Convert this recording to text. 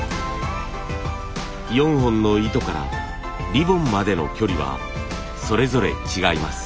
４本の糸からリボンまでの距離はそれぞれ違います。